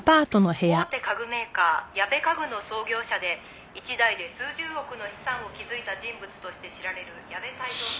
「大手家具メーカー矢部家具の創業者で一代で数十億の資産を築いた人物として知られる矢部泰造さんが」